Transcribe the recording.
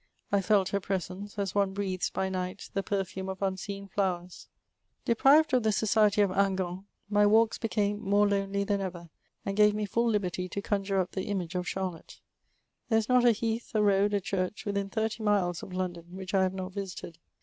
I felt her presencoi as one breathes by night the perfiune of unseen flowers. CHATEAUBRIAKD. 393 Depiyed of tiie soc^j of Hingant, my walks became more lonely than ever, and gave me full liberty to conjure np the image of Charlotte. There is not a heath, a road, a chnrch, within thirty miles of L(»idon, which I have not visited.